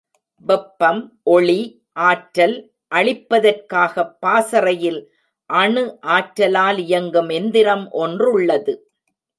வெப்பம், ஒளி, ஆற்றல் அளிப்பதற் காகப் பாசறையில் அணு ஆற்றலால் இயங்கும் எந்திரம் ஒன்றுள்ளது.